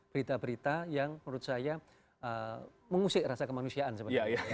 berita berita yang menurut saya mengusik rasa kemanusiaan sebenarnya